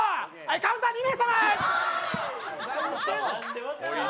カウンター２名様。